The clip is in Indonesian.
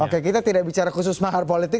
oke kita tidak bicara khusus mahar politik